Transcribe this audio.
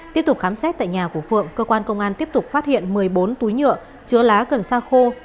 tiếp tục khám xét tại nhà của phượng cơ quan công an tiếp tục phát hiện một mươi bốn túi nhựa chứa lá cần sa khô